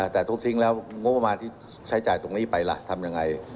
แต่ทุบทิ้งแล้วงบประมาณที่ใช้จ่ายตรงนี้ไปล่ะทำยังไง